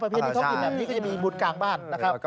ประเพณีท้องกินแบบนี้ก็จะมีบุตรกลางบ้าน